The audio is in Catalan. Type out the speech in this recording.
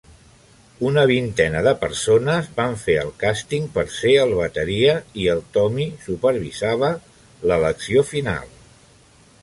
Una vintena de persones van fer el càsting per ser el bateria i el Tommy supervisava l'elecció final.